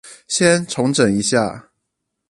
先重整一下